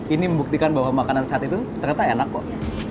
ini membuktikan bahwa makanan sehat itu ternyata enak kok